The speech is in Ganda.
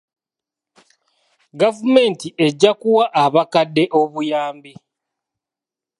Gavumenti ejja kuwa abakadde obuyambi.